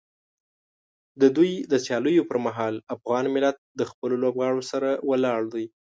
د دوی د سیالیو پر مهال افغان ملت د خپلو لوبغاړو سره ولاړ دی.